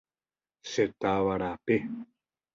Che táva rape.